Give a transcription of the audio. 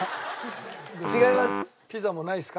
違います。